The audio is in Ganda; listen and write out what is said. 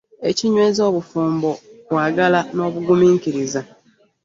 Ekinyweza mubufumbo kwagala n'obugumiikiriza.